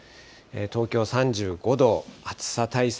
東京は３５度、暑さ対策